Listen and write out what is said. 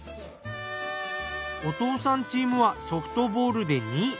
お父さんチームはソフトボールで２位。